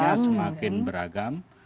bentuknya semakin beragam